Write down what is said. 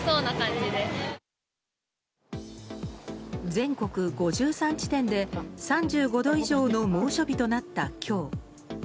全国５３地点で３５度以上の猛暑日となった今日。